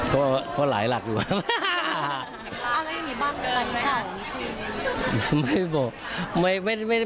เพราะว่าหลายหลักอยู่